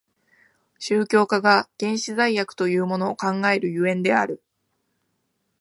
宗教家が原始罪悪というものを考える所以である。